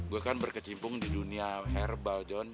gue kan berkecimpung di dunia herbal john